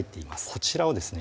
こちらをですね